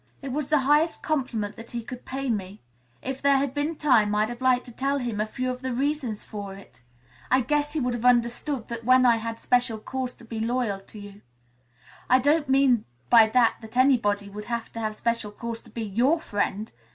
"It was the highest compliment that he could pay me. If there had been time I'd have liked to tell him a few of the reasons for it. I guess he would have understood then that I had special cause to be loyal to you. I don't mean by that that anybody would have to have special cause to be your friend.